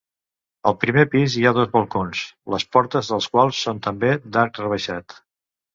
Al primer pis hi ha dos balcons, les portes dels quals són també d'arc rebaixat.